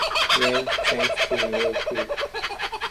Name changes to Mill Creek.